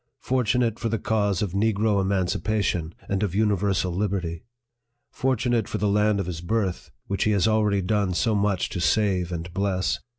fortunate for the cause of negro emancipation, and of universal liberty ! fortunate for the land of his birth, which he has already done so much to save and bless